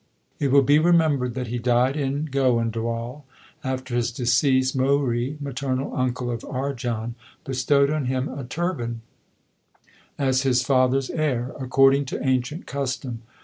It will be remembered that he died in Goindwal. After his decease, Mohri, maternal uncle of Arjan, bestowed on him a turban as his father s heir, according to ancient custom.